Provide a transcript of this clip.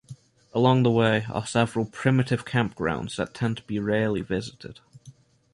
Along the way are several primitive campgrounds that tend to be rarely visited.